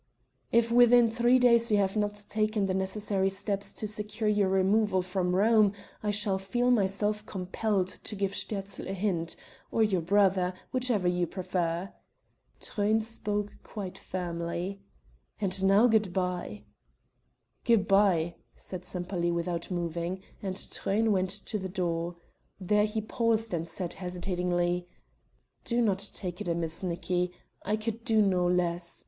"If within three days you have not taken the necessary steps to secure your removal from Rome, I shall feel myself compelled to give Sterzl a hint or your brother whichever you prefer." Truyn spoke quite firmly. "And now good bye." "Good bye," said Sempaly without moving, and Truyn went to the door; there he paused and said hesitatingly: "Do not take it amiss, Nicki I could do no less.